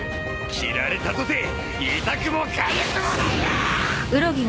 斬られたとて痛くもかゆくもないわ！